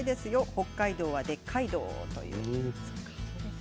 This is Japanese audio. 北海道はでっかいどう。